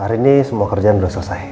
hari ini semua kerjaan sudah selesai